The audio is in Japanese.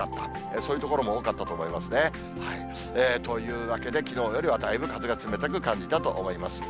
そういう所も多かったと思いますね。というわけで、きのうよりはだいぶ風が冷たく感じたと思います。